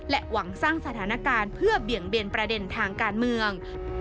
หวังสร้างสถานการณ์เพื่อเบี่ยงเบียนประเด็นทางการเมือง